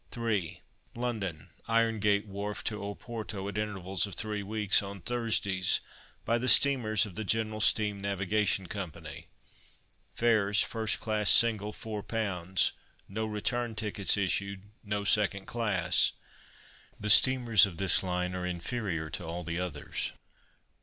3. London (Irongate Wharf) to Oporto, at intervals of 3 weeks, on Thursdays, by the steamers of the "General Steam Navigation Co." Fares, first class single, £4 (no return tickets issued; no second class). The steamers of this line are inferior to all the others.